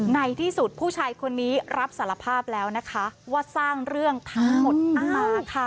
ในที่สุดผู้ชายคนนี้รับสารภาพแล้วนะคะว่าสร้างเรื่องทั้งหมดมาค่ะ